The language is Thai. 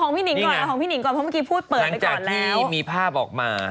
ของพี่นิงก่อนเพราะเมื่อกี้พูดเปิดไปก่อนแล้วนั้นจากที่มีภาพออกมา